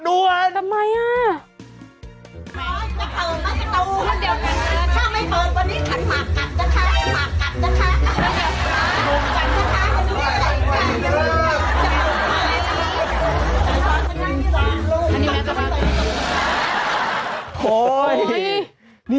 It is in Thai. โอ้โหโอ้โห